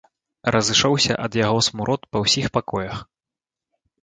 Разышоўся ад яго смурод па ўсіх пакоях.